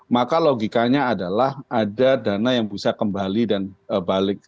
maka logikanya adalah ada dana yang bisa kembali dan balik